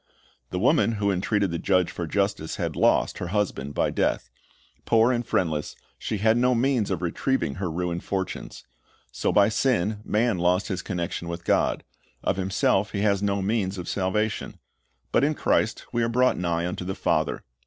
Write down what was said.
The woman who entreated the judge for justice had lost, her husband by death. Poor and friendless, she had no means of retrieving her ruined fortunes. So by sin, man lost his connection with God. Of himself he has no means of salvation. But in Christ we are brought nigh unto the Father.